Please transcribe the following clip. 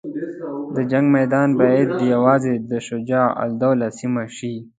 د جنګ میدان باید یوازې د شجاع الدوله سیمه شي.